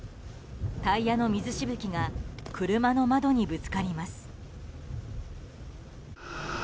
タイヤの水しぶきが車の窓にぶつかります。